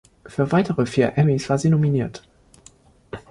Für weitere vier Emmys war sie nominiert.